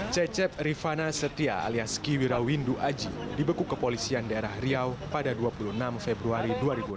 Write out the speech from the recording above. cecep rifana setia alias kiwira windu aji dibeku kepolisian daerah riau pada dua puluh enam februari dua ribu enam belas